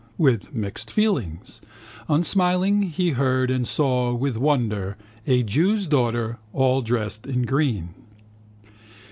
With mixed feelings. Unsmiling, he heard and saw with wonder a jew's daughter, all dressed in green.